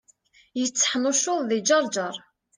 Yetteḥnuccuḍ di Ǧerǧer.